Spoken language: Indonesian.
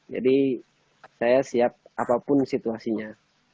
jadi saya siap apapun situasinya